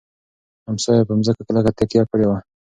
امسا یې په مځکه کلکه تکیه کړې وه.